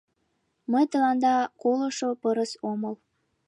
Мый тыланда колышо пырыс омыл.